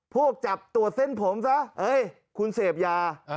พวกจับตรวจเส้นผมซะคุณเสพยา